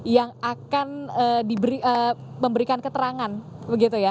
yang akan diberikan keterangan begitu ya